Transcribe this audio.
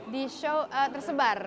di show tersebar